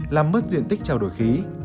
làm mất diện tích trao đổi khí